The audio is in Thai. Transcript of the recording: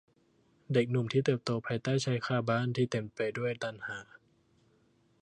เด็กหนุ่มที่เติบโตภายใต้ชายคาบ้านที่เต็มไปด้วยตัณหา